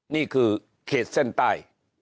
นี่คือเขตเส้นใต้